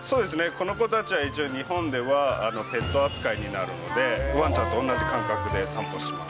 この子たちは一応日本ではペット扱いになるので、ワンちゃんと同じ感覚で散歩します。